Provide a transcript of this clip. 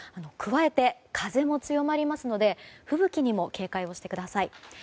加えて風も強まりますので吹雪にも警戒をしてください。